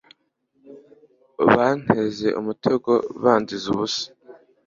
banteze umutego banziza ubusa